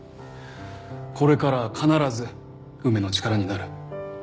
これからは必ず梅の力になる。